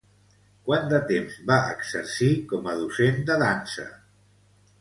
Quants de temps va exercir com a docent de dansa?